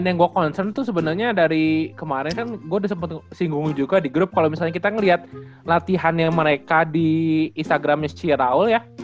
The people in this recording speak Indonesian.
dan yang gue concern tuh sebenernya dari kemarin kan gue udah sempet singgung juga di grup kalo misalnya kita ngeliat latihannya mereka di instagramnya ciraul ya